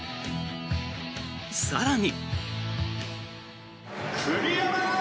更に。